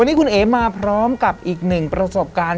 วันนี้คุณเอ๋มาพร้อมกับอีกหนึ่งประสบการณ์